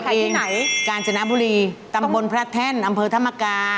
ผู้เยงการสนามบุรีตำบลพระแท่นอำเภอธรรมคา